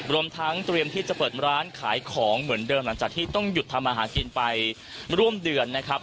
รวมทั้งเตรียมที่จะเปิดร้านขายของเหมือนเดิมหลังจากที่ต้องหยุดทำอาหารกินไปร่วมเดือนนะครับ